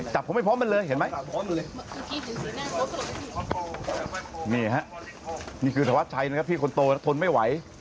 ผมไม่พร้อมมันเลยเห็นไหมนี่ฮะนี่คือธวัดชัยนะครับพี่คนโตแล้วทนไม่ไหว